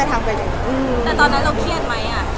แต่ตอนนั้นเคยมั้ย